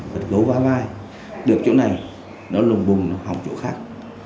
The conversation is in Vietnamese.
vật gấu va vai được chỗ này nó lùng bùng nó hỏng chỗ khác